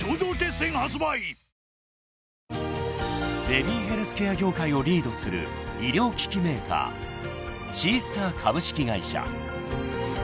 ［ベビーヘルスケア業界をリードする医療機器メーカーシースター株式会社］